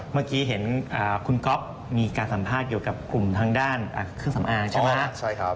เมื่อกี้เห็นคุณก๊อฟมีการสัมภาษณ์เกี่ยวกับกลุ่มทางด้านเครื่องสำอางใช่ไหม